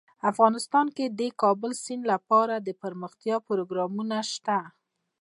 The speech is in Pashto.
افغانستان کې د د کابل سیند لپاره دپرمختیا پروګرامونه شته.